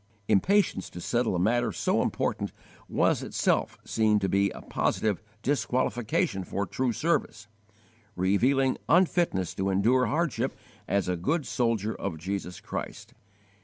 Impatience to settle a matter so important was itself seen to be a positive disqualification for true service, revealing unfitness to endure hardship as a good soldier of Jesus Christ.